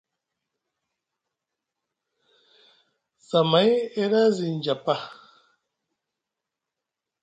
Zamay e ɗa zi njapa.